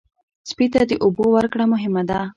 سپي ته د اوبو ورکړه مهمه ده.